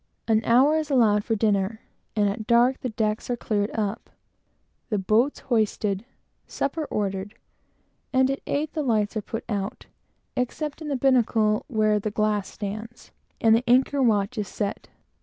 An hour is allowed for dinner, and at dark, the decks are cleared up; the boats hoisted; supper ordered; and at eight, the lights put out, except in the binnacle, where the glass stands; and the anchor watch is set.